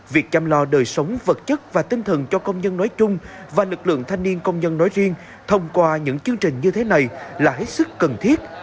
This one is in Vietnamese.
việc chăm lo đời sống vật chất và tinh thần cho công nhân nói chung và lực lượng thanh niên công nhân nói riêng thông qua những chương trình như thế này là hết sức cần thiết